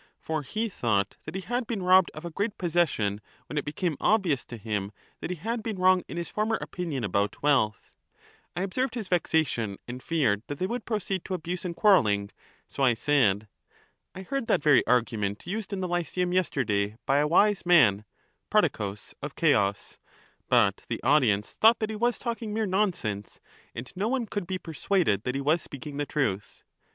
For he thought that argument, as he had been robbed of a great possession when it became ^^0^ obvious to him that he had been wrong in his former opinion the repetition about wealth. I observed his vexation, and feared that they had been °i"sed would proceed to abuse and quarrelling : so I said, — I heard by Prodicus . i • i t 1 1 • °f Ceos on the that very argument used in the Lyceum yesterday by a wise day before, man, Prodicus of Ceos ; but the audience thought that he was talking mere nonsense, and no one could be persuaded that he was speaking the truth.